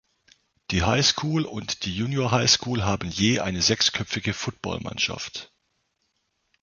Die High School und die Junior High School haben je eine sechsköpfige Football-Mannschaft.